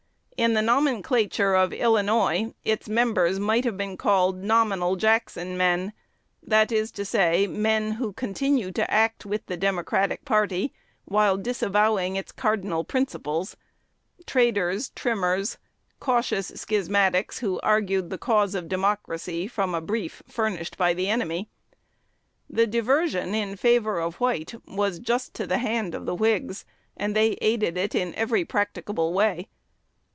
In the nomenclature of Illinois, its members might have been called "nominal Jackson men;" that is to say, men who continued to act with the Democratic party, while disavowing its cardinal principles, traders, trimmers, cautious schismatics who argued the cause of Democracy from a brief furnished by the enemy. The diversion in favor of White was just to the hand of the Whigs, and they aided it in every practicable way.